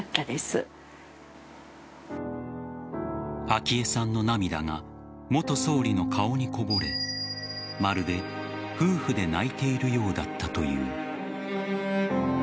昭恵さんの涙が元総理の顔にこぼれまるで、夫婦で泣いているようだったという。